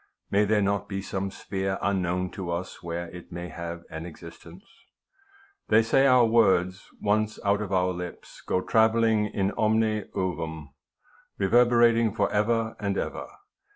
May there not be some sphere unknown to us where it may have an existence ? They say our words, once out of our lips, go travelling in omne cevum, reverberating for ever and ever.